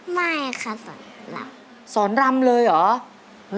ไม่ค่ะสอนรำสอนรำเลยเหรอ